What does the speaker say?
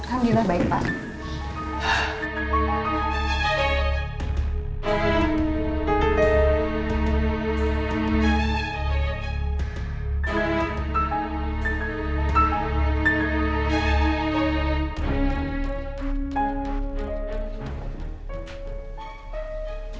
alhamdulillah baik pak